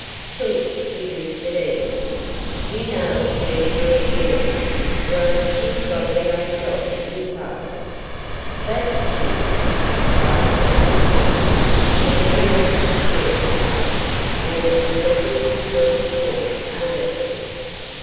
"Chief," he whispered eagerly, "You know Adventuress Mary? Well, she's got Elaine Dodge in tow!" "The deuce!" cried Clutching Hand. "Then we must teach Mary Carson, or whoever she is working for, a lesson.